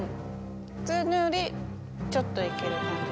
普通のよりちょっといける感じです。